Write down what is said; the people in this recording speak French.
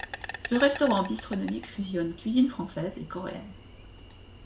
Ce restaurant bistronomique fusionne cuisine française et coréenne.